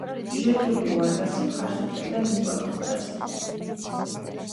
ჟეტულიუ ვარგასი მხარს უჭერდა მის პოლიტიკას.